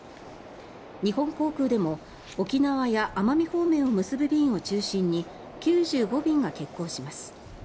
日本航空でも沖縄や奄美方面を結ぶ便を中心に９５便が欠航します。